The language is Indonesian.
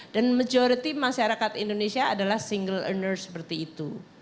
dan majority masyarakat indonesia adalah single earner seperti itu